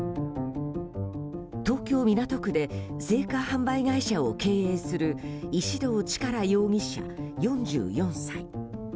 東京・港区で生花販売会社を経営する石動力容疑者、４４歳。